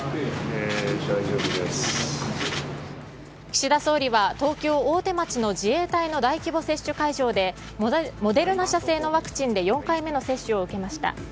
岸田総理は東京・大手町の自衛隊の大規模接種会場でモデルナ社製のワクチンで４回目の接種を受けました。